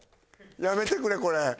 やめてくれこれ。